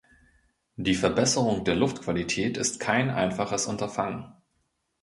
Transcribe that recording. Die Verbesserung der Luftqualität ist kein einfaches Unterfangen.